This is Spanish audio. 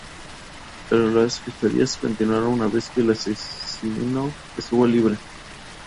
Pero las fechorías continuaron una vez que el asesino estuvo libre.